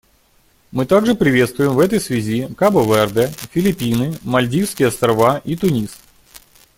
Мы также приветствуем в этой связи Кабо-Верде, Филиппины, Мальдивские Острова и Тунис.